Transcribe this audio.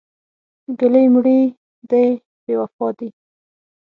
ګلې مړې دې بې وفا دي.